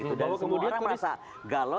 semua orang merasa galau